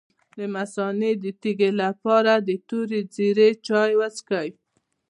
د مثانې د تیږې لپاره د تورې ږیرې چای وڅښئ